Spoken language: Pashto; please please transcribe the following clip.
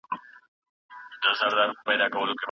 افغانستان کې جګړه پراخېږي.